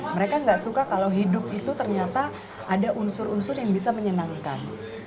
mereka nggak suka kalau hidup itu ternyata ada unsur unsur yang bisa menyenangkan